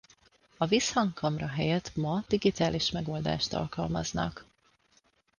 A visszhangkamra helyett ma digitális megoldást alkalmaznak.